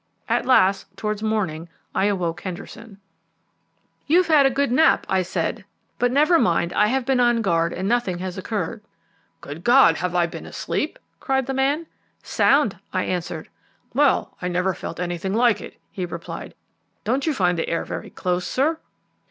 At last, towards morning, I awoke Henderson. "You have had a good nap," I said; "but never mind, I have been on guard and nothing has occurred." "Good God! have I been asleep?" cried the man. "Sound," I answered. "Well, I never felt anything like it," he replied. "Don't you find the air very close, sir?"